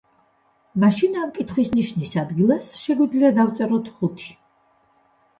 მაშინ ამ კითხვის ნიშნის ადგილას შეგვიძლია დავწეროთ ხუთი.